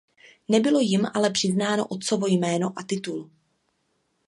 Nebylo jim ale přiznáno otcovo jméno a titul.